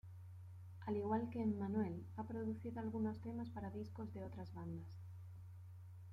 Al igual que Emmanuel, ha producido algunos temas para discos de otras bandas.